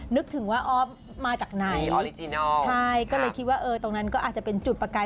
นึกถึงว่าออฟมาจากไหนใช่ก็เลยคิดว่าเออตรงนั้นก็อาจจะเป็นจุดประกาย